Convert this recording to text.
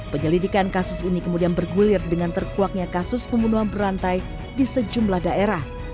penyelidikan kasus ini kemudian bergulir dengan terkuaknya kasus pembunuhan berantai di sejumlah daerah